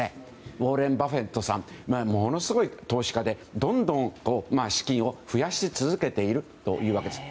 ウォーレン・バフェットさんはものすごい投資家でどんどん資金を増やし続けているというわけなんです。